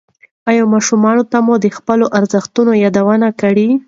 ایا ماشومانو ته مو د خپلو ارزښتونو یادونه کړې؟